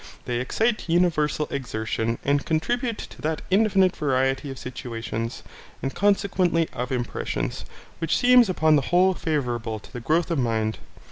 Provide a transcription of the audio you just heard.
They excite universal exertion and contribute to that infinite variety of situations, and consequently of impressions, which seems upon the whole favourable to the growth of mind.